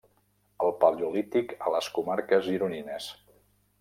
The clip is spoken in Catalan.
El Paleolític a les Comarques Gironines.